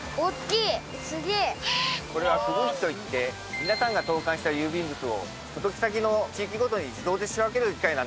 これは区分機といって皆さんが投かんした郵便物を届け先の地域ごとに自動で仕分ける機械なんだ。